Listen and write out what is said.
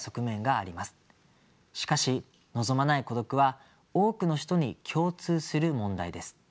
しかし望まない孤独は多くの人に共通する問題です。